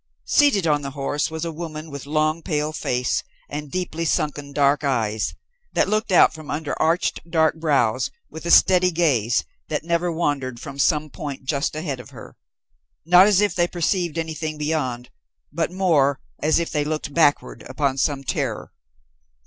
Seated on the horse was a woman with long, pale face, and deeply sunken dark eyes that looked out from under arched, dark brows with a steady gaze that never wandered from some point just ahead of her, not as if they perceived anything beyond, but more as if they looked backward upon some terror.